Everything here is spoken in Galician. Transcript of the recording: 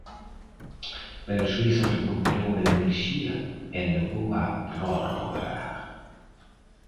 Pero Suíza recuperou a enerxía e levou á prórroga.